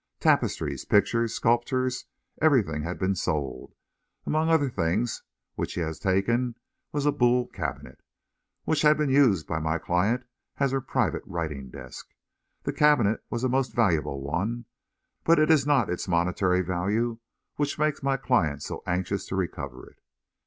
Tapestries, pictures, sculptures everything had been sold. Among other things which he had taken was a Boule cabinet, which had been used by my client as her private writing desk. The cabinet was a most valuable one; but it is not its monetary value which makes my client so anxious to recover it."